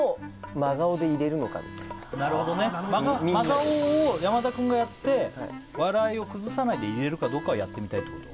なるほどね真顔を山田くんがやって笑いを崩さないでいれるかどうかやってみたいってこと？